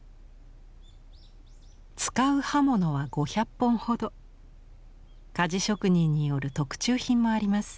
使う刃物は５００本ほど鍛冶職人による特注品もあります。